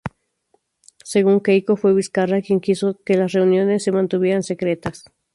Según Keiko, fue Vizcarra quien quiso que las reuniones se mantuvieran secretas.